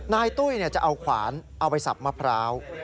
ตุ้ยจะเอาขวานเอาไปสับมะพร้าว